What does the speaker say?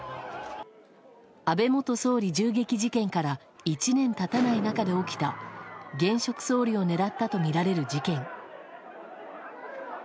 安倍元総理銃撃事件から１年経たない中で起きた現職総理を狙ったとみられる事件。